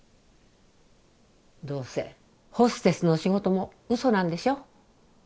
どうせホステスの仕事もうそなんでしょ。